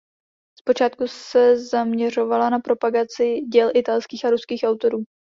Zpočátku se zaměřovala na propagaci děl italských a ruských autorů.